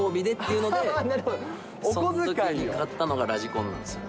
そのお金で買ったのがラジコンなんですよ。